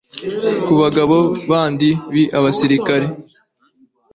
ku bagabo bandi b'abisirayeli